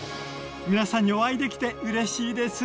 皆さんにお会いできてうれしいです。